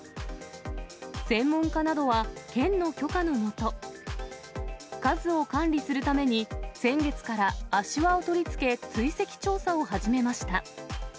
専門家などは、県の許可の下、数を管理するために、先月から足輪を取り付け、追跡調査を始めました。